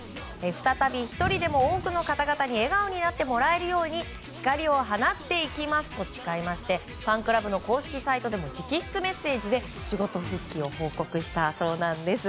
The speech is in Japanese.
再び１人でも多くの方々に笑顔になってもらえるように光を放っていきますと誓いましてファンクラブの公式サイトでも直筆メッセージで仕事復帰を報告したそうです。